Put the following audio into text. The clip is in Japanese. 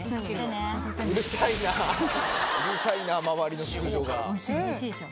うるさいな周りの淑女が。